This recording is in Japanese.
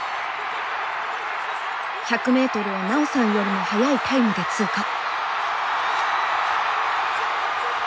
１００ｍを奈緒さんよりも速いタイムで通過。